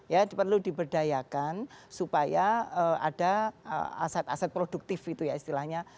ya perlu diberdayakan supaya ada aset aset produktif itu ya istilahnya